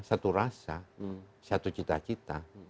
satu rasa satu cita cita